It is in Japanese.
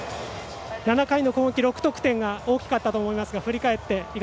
７回の攻撃６得点が大きかったと思います。